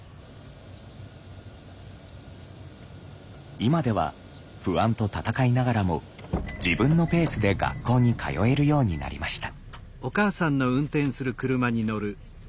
今では不安と闘いながらも自分のペースで学校に通えるようになりました。